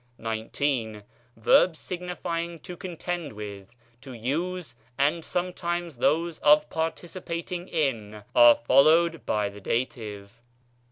XIX. Verbs signifying to contend with, to use, and sometimes those of participating in, are followed by the dative.